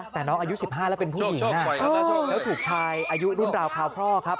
แต่น้องอายุ๑๕แล้วเป็นผู้หญิงแล้วถูกชายอายุรุ่นราวคราวพ่อครับ